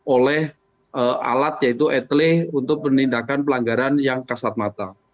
oleh alat yaitu etele untuk penindakan pelanggaran yang kasat mata